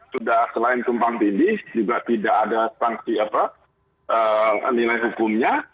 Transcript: sudah selain tumpang pindih juga tidak ada nilai hukumnya